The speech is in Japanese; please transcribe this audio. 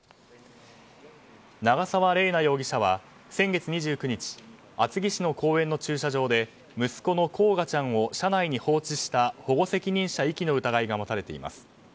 長沢麗奈容疑者は先月２９日厚木市の公園の駐車場で息子の煌翔ちゃんを車内に放置した保護責任者遺棄の疑いが持たれています。